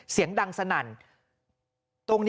เสียงดังสนั่น